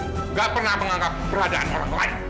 tidak pernah menganggap keberadaan orang lain